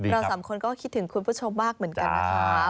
สามคนก็คิดถึงคุณผู้ชมมากเหมือนกันนะคะ